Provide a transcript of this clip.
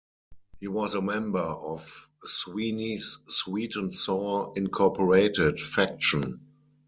He was a member of Sweeney's Sweet 'n' Sour Incorporated faction.